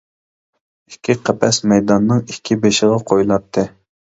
ئىككى قەپەس مەيداننىڭ ئىككى بېشىغا قويۇلاتتى.